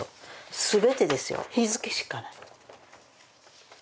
全てですよ、日付しかない。